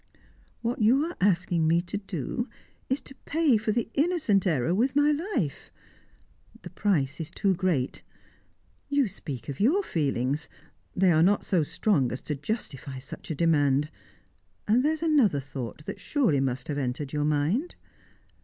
What you are asking me to do, is to pay for the innocent error with my life. The price is too great. You speak of your feelings; they are not so strong as to justify such a demand And there's another thought that surely must have entered your mind.